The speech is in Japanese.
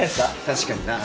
確かにな。